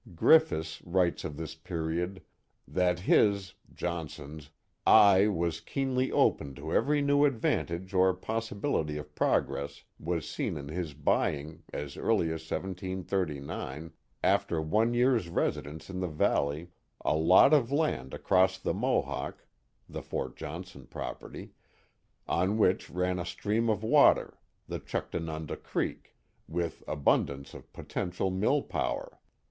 Griffis writes of this period: '* That his [Johnson's] eye was keenly open to every new advantage or possibility of progress was seen in his buying, as early as 1739, after one year's residence In the valley, a lot of land across the Mohawk [the Fort Johnson property] on which ran a stream of water, the Chuc tanunda Creek [?],with abundance of potential mill power.